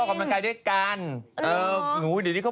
ฉันก็ซื้อแหวนสิจ๊ะ